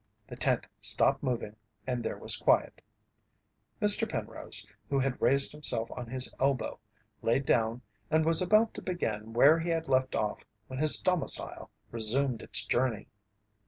The tent stopped moving and there was quiet. Mr. Penrose, who had raised himself on his elbow, laid down and was about to begin where he had left off when his domicile resumed its journey.